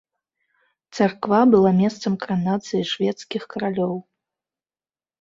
Царква была месцам каранацыі шведскіх каралёў.